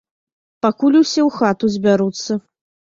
Пакуль усе ў хату збяруцца.